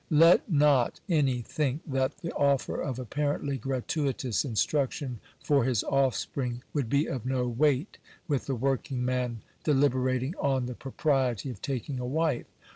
Let not any think that the offer of apparently gratuitous instruction for his offspring would be of no weight with the working man deliberating on the pro priety of taking a wife.